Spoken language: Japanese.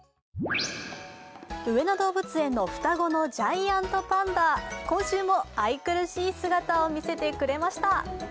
上野動物園の双子のジャイアントパンダ、今週も愛くるしい姿を見せてくれました。